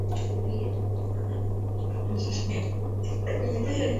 Fanya Acha bali kama jibu la upendo la mtu aliyeelewa upendo wa